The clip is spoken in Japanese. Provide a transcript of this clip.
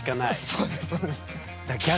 そうですそうです。